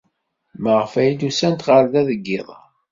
Maɣef ay d-usant ɣer da deg yiḍ-a?